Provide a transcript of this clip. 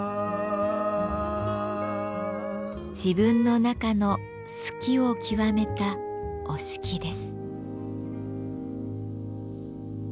自分の中の「好き」を極めた折敷です。